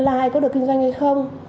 văn lai có được kinh doanh hay không